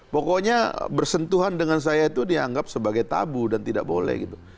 pokoknya bersentuhan dengan saya itu dianggap sebagai tabu dan tidak boleh gitu